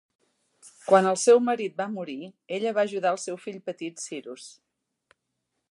Quan el seu marit va morir, ella va ajudar el seu fill petit Cyrus.